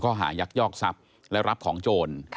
หายักยอกทรัพย์และรับของโจร